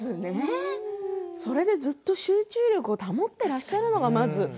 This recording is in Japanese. それで、ずっと集中力を保っていらっしゃるのがそうね。